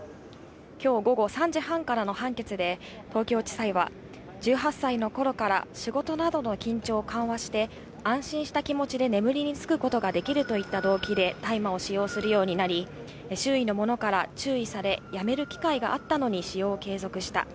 きょう午後３時半からの判決で東京地裁は、１８歳のころから仕事などの緊張を緩和して、安心した気持ちで眠りにつくことができるといった動機で大麻を使用するようになり、周囲のものから注意され、やめる機会があったのに使用を継続した。